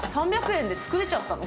３００円で作れちゃったの？